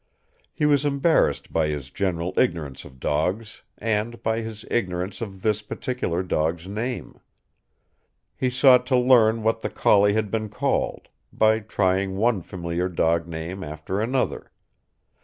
He was embarrassed by his general ignorance of dogs, and by his ignorance of this particular dog's name. He sought to learn what the collie had been called; by trying one familiar dog name after another.